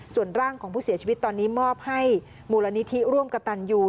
ส่วนร่างของผู้เสียชีวิตตอนนี้มอบให้มูลนิธิร่วมกระตันยู